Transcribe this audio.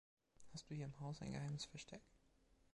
Hast du hier im Haus ein geheimes Versteck?